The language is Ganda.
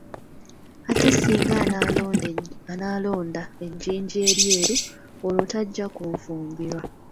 Ate singa anaalonda ejjinja eryeru olwo tajja kunfumbirwa.